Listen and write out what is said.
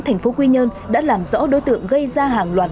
thành phố quy nhơn đã làm rõ đối tượng gây ra hàng loạt